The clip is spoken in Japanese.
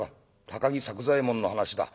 高木作久左右衛門の話だ」。